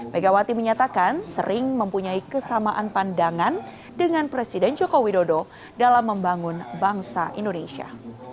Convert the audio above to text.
megawati menyatakan sering mempunyai kesamaan pandangan dengan presiden joko widodo dalam membangun bangsa indonesia